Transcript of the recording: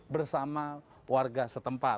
bersama warga setempat